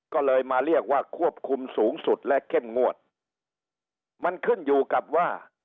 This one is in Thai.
ก็เลยมาเรียกว่าควบคุมสูงสุดและเข้มงวดมันขึ้นอยู่กับว่า